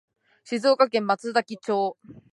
静岡県松崎町